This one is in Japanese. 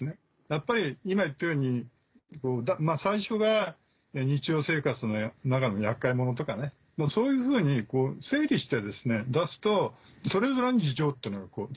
やっぱり今言ったように最初が日常生活の中の厄介ものとかそういうふうに整理して出すとそれぞれの事情っていうのがこう。